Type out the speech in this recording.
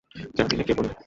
জানি নে কে বললে?